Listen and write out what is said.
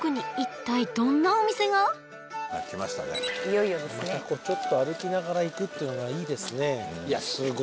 いよいよですねまたこうちょっと歩きながら行くっていうのがいいですね